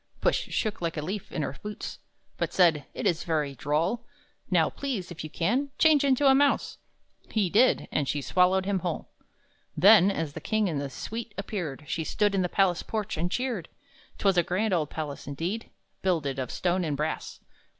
Puss shook like a leaf, in her boots, But said, "It is very droll! Now, please, if you can, change into a mouse!" He did. And she swallowed him whole! Then, as the king and his suite appeared, She stood on the palace porch and cheered. 'Twas a grand old palace indeed, Builded of stone and brass.